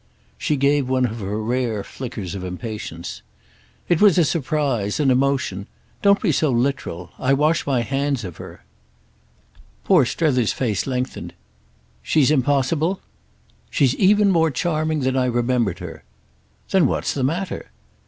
She gave one of her rare flickers of impatience. "It was a surprise, an emotion. Don't be so literal. I wash my hands of her." Poor Strether's face lengthened. "She's impossible—?" "She's even more charming than I remembered her." "Then what's the matter?"